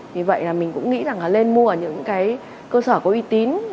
vì vậy là mình cũng nghĩ là lên mua ở những cơ sở có uy tín